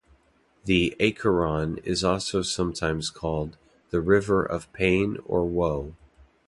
The "Acheron" is also sometimes called the river of pain or woe.